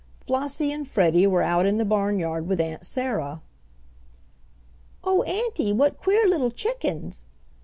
Flossie and Freddie were out in the barnyard with Aunt Sarah. "Oh, auntie, what queer little chickens!"